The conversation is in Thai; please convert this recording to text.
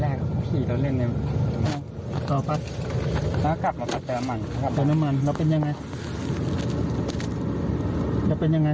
ว่าไม่ใช่กับงานเดี๋ยวเพราะว่าเขาทำยังไง